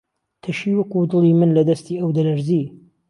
تەشی وەکو دڵی من، لە دەستی ئەو دەلەرزی